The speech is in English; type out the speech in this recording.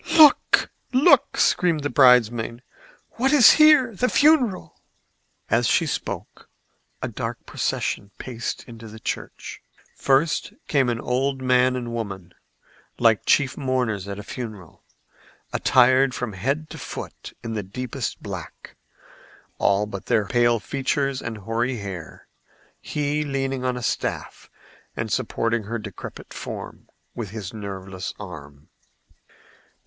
"Look! look!" screamed the bridemaid. "What is here? The funeral!" As she spoke a dark procession paced into the church. First came an old man and woman, like chief mourners at a funeral, attired from head to foot in the deepest black, all but their pale features and hoary hair, he leaning on a staff and supporting her decrepit form with his nerveless arm.